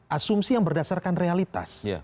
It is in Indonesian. asumsi yang berdasarkan realitas